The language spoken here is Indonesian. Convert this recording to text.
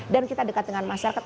dan kita dekat dengan masyarakat